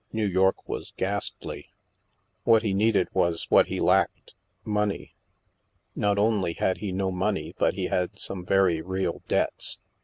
New York was ghastly. What he needed was what he lacked — money. Not only had he no money, but he had some very real debts.